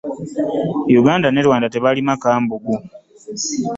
Uganda ne Rwanda tebalima kambugu.